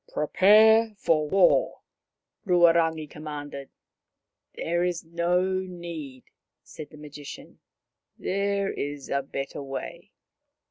" Prepare for war," Ruarangi commanded. " There is no need," said the Magician. " There is a better way."